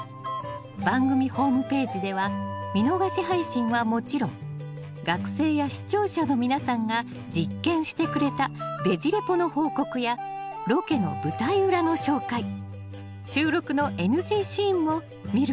番組ホームページでは見逃し配信はもちろん学生や視聴者の皆さんが実験してくれた「ベジ・レポ」の報告やロケの舞台裏の紹介収録のＮＧシーンも見ることができますよ。